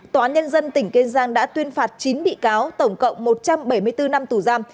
tòa án nhân dân tỉnh kiên giang đã tuyên phạt chín bị cáo tổng cộng một trăm bảy mươi bốn năm tù giam